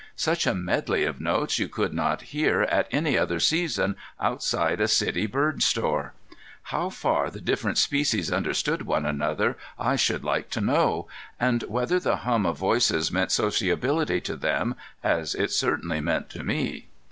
Such a medley of notes you could not hear at any other season outside a city bird store. How far the different species understood one another I should like to know, and whether the hum of voices meant sociability to them, as it certainly meant to me.